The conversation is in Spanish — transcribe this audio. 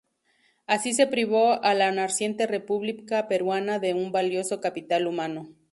Así se privó a la naciente República Peruana de un valioso capital humano.